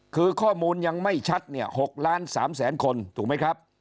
คือข้อมูลยังไม่ชัดเนี่ย๖ล้าน๓แสนคนถูกไหมครับ